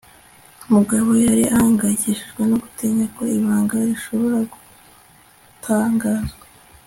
umugabo yari ahangayikishijwe no gutinya ko ibanga rishobora gutangazwa